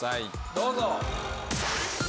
どうぞ。